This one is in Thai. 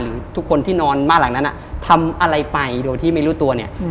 หรือทุกคนที่นอนบ้านหลังนั้นทำอะไรไปโดยที่ไม่รู้ตัวเนี่ย